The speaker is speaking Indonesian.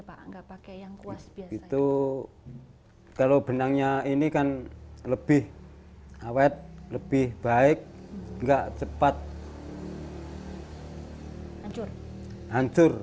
pak nggak pakai yang kuas itu kalau benangnya ini kan lebih awet lebih baik enggak cepat hancur hancur